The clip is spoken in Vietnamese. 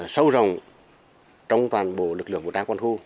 sâu rộng trong toàn bộ lực lượng vũ trang quân khu